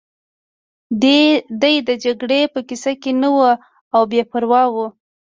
دی د جګړې په کیسه کې نه و او بې پروا و